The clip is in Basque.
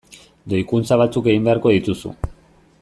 Doikuntza batzuk egin beharko dituzu.